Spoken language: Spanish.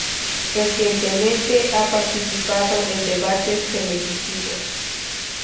Recientemente, ha participado en debates televisivos.